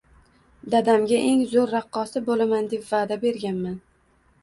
Dadamga eng zo`r raqqosa bo`laman deb va`da berganman